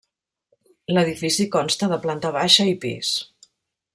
L'edifici consta de planta baixa i pis.